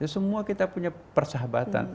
semua kita punya persahabatan